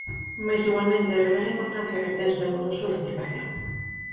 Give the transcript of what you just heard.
Mais igualmente revela a importancia que ten segundo a súa aplicación.